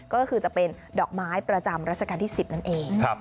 ก็คือจะเป็นดอกไม้ประจำรัชกาลที่๑๐นั่นเอง